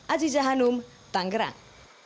aziza hanum tanggerang